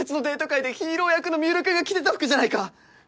回でヒーロー役の三浦君が着てた服じゃないか！